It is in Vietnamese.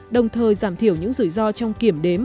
đồng thời giảm thiểu những rủi ro trong kiểm đếm